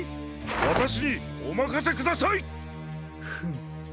わたしにおまかせください！フム。